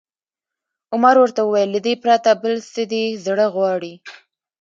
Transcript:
عمر ورته وویل: له دې پرته، بل څه دې زړه غواړي؟